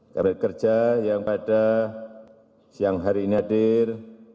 kabinet kerja yang pada siang hari ini hadir